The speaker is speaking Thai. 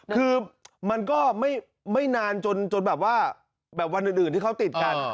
คือมันก็ไม่นานจนแบบว่าแบบวันอื่นที่เขาติดกัน